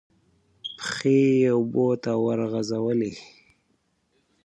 پښې یې اوبو ته ورغځولې.